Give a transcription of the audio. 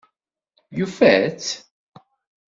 Yufa-tt?